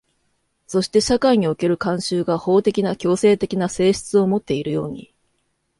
そして社会における慣習が法的な強制的な性質をもっているように、